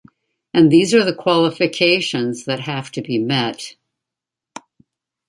And these are the qualifications that have to be met.